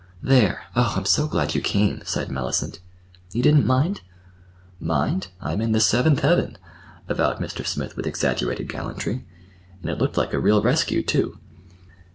"There! Oh, I'm so glad you came," sighed Mellicent. "You didn't mind?" "Mind? I'm in the seventh heaven!" avowed Mr. Smith with exaggerated gallantry. "And it looked like a real rescue, too."